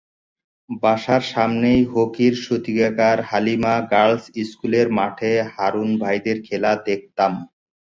বাসার সামনেই হকির সূতিকাগার হালিমা গার্লস স্কুলের মাঠে হারুন ভাইদের খেলা দেখতাম।